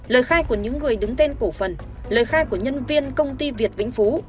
lời khai của những người đứng tên cổ phần lời khai của nhân viên công ty việt vĩnh phú